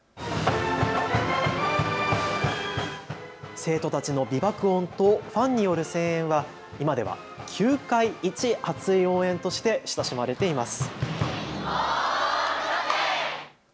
生徒たちの美爆音とファンによる声援は今では球界一熱い応援として親しまれています。